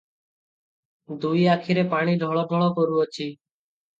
ଦୁଇ ଆଖିରେ ପାଣି ଢଳ ଢଳ କରୁଅଛି ।